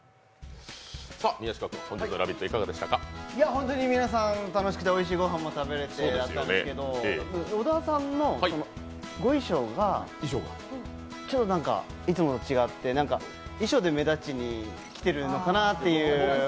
本当に皆さん、楽しくておいしいごはんも食べれてだったんですけど小田さんのご衣装がちょっと何かいつもと違って衣装で目立ちにきてるのかなって。